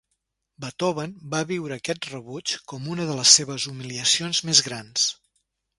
Beethoven va viure aquest rebuig com una de les seves humiliacions més grans.